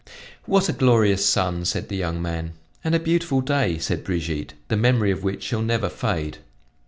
"What a glorious sun," said the young man. "And a beautiful day," said Brigitte, "the memory of which shall never fade."